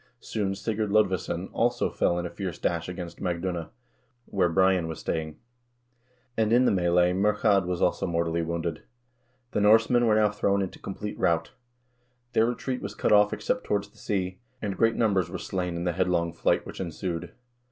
Soon Sigurd Lodvesson also fell in a fierce dash against Magduna, where Brian was staying. He was met by Murchad's forces, and in the melee Murchad was also mortally wounded. The Norsemen were now thrown into complete rout. Their retreat was cut off except toward the sea, and great numbers were slain in the headlong flight which ensued.